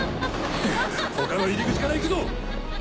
他の入り口から行くぞ！